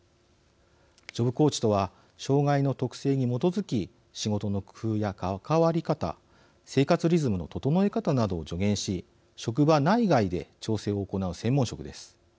ジョブコーチとは障害の特性に基づき仕事の工夫や関わり方生活リズムの整え方などを助言し職場内外で調整を行う専門職です。